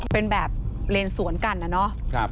เป็นแบบเลนสวนกันนะเนาะ